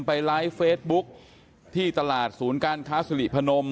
ไลฟ์เฟซบุ๊คที่ตลาดศูนย์การค้าสิริพนม